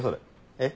えっ？